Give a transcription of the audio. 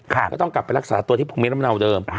ก็ต้องกลับไปรักษาตัวที่ภูมิลำเนาเดิม